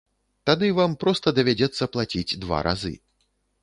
Тады вам проста давядзецца плаціць два разы.